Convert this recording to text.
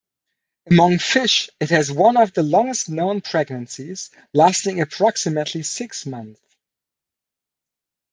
Among fish it has one of the longest known pregnancies, lasting approximately six months.